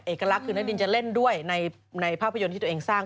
เอกลักษณ์คือนักดินจะเล่นด้วยในภาพยนตร์ที่ตัวเองสร้าง